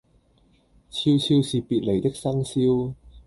悄悄是別離的笙簫